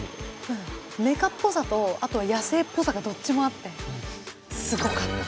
メカっぽさとあと野生っぽさがどっちもあってすごかった。